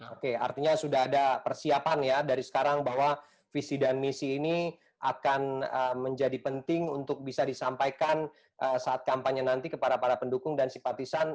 oke artinya sudah ada persiapan ya dari sekarang bahwa visi dan misi ini akan menjadi penting untuk bisa disampaikan saat kampanye nanti kepada para pendukung dan simpatisan